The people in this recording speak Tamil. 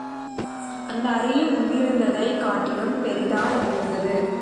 அந்த அறையும் முன்னிருந்ததைக் காட்டிலும் பெரிதாகியிருந்தது.